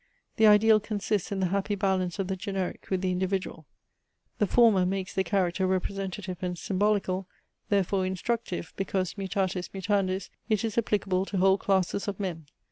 The ideal consists in the happy balance of the generic with the individual. The former makes the character representative and symbolical, therefore instructive; because, mutatis mutandis, it is applicable to whole classes of men.